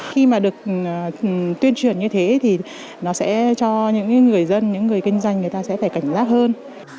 khi mà được tuyên truyền như thế thì nó sẽ cho những người dân những người kinh doanh người ta sẽ phải cảnh giác hơn